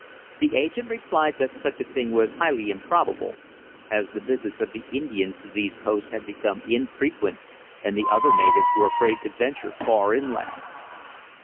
The agent replied that such a thing was highly improbable, as the visits of the Indians to these posts had become infrequent and the other natives were afraid to venture far inland.